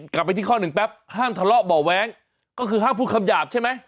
กลับไปที่ข้อหนึ่งแป๊บห้ามทะเลาะเบาะแว้งก็คือห้ามพูดคำหยาบใช่ไหม